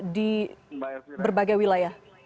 di berbagai wilayah